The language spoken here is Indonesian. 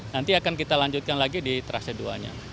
nanti akan kita lanjutkan lagi di trase duanya